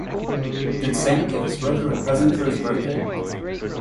Did Sam give his brother a present for his birthday?